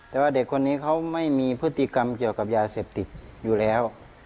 แต่ว่าเด็กคนนี้เขาไม่มีพฤติกรรมเกี่ยวกับยาเสพติดอยู่แล้ว